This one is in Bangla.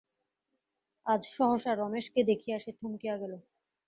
আজ সহসা রমেশকে দেখিয়া সে থমকিয়া গেল।